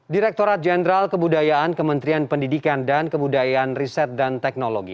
direkturat jenderal kebudayaan kementerian pendidikan dan kebudayaan riset dan teknologi